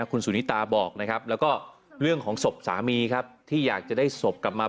คุณสุนิตาบอกนะครับแล้วก็เรื่องของศพสามีครับที่อยากจะได้ศพกลับมา